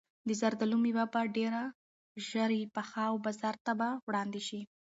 د زردالو مېوه به ډېر ژر پخه او بازار ته به وړاندې شي.